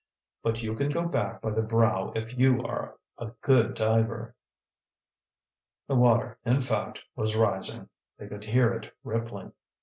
But you can go back by the brow if you are a good diver." The water, in fact, was rising; they could hear it rippling.